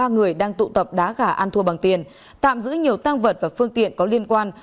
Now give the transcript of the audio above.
một mươi ba người đang tụ tập đá gà ăn thua bằng tiền tạm giữ nhiều tang vật và phương tiện có liên quan